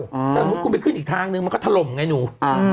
สมมุติคุณไปขึ้นอีกทางนึงมันก็ถล่มไงหนู